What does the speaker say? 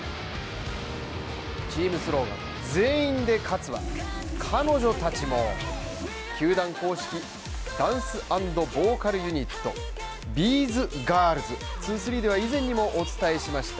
チームスローガン全員で勝つは彼女たちも球団公式ダンス＆ボーカルユニットＢｓＧｉｒｌｓ２３では以前にもお伝えしました。